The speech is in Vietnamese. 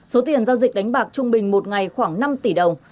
số tiền giao dịch đánh bạc trung bình một ngày khoảng năm tỷ đồng